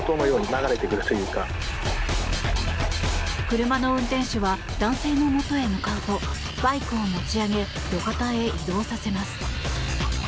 車の運転手は男性のもとへ向かうとバイクを持ち上げ路肩へ移動させます。